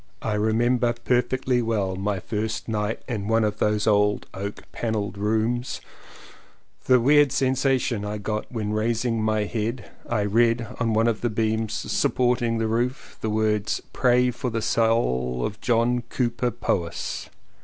I remember perfectly well my first night in one of those old oak panelled rooms — the weird sensation I got when raising my head I read on one of the beams supporting the roof the words "Pray for the Soul of John Cowper Powys."